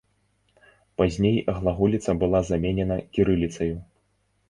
Пазней глаголіца была заменена кірыліцаю.